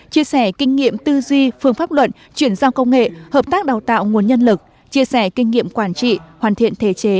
chia sẻ kinh nghiệm tư duy phương pháp luận chuyển giao công nghệ hợp tác đào tạo nguồn nhân lực chia sẻ kinh nghiệm quản trị hoàn thiện thể chế